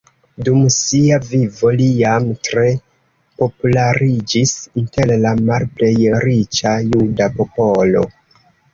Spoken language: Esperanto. Dum sia vivo li jam tre populariĝis inter la malplej riĉa juda popolo.